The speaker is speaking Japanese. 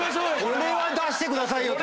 これは出してくださいよ！